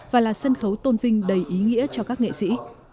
và là sân khấu tôn vinh đầy ý nghĩa cho các nghệ sĩ